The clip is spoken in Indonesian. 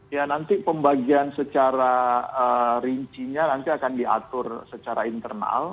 ya nanti pembagian secara rincinya nanti akan diatur secara internal